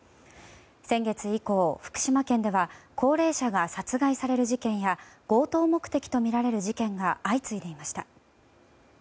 先月以降、福島県では高齢者が殺害される事件や強盗目的とみられる事件が相次いでいました。